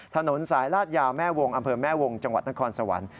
ถนนสายลาดยาวแม่วงอำเภอแม่วงจังหวัดนครสวรรค์